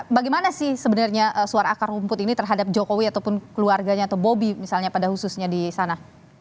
bagaimana sih suaranya terhadap jokowi ataupun keluarganya atau bobby misalnya pada khususnya di sana